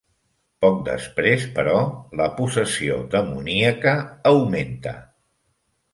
Poc després, però, la possessió demoníaca augmenta.